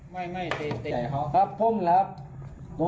ไม่เตะเขาครับผมเหรอครับ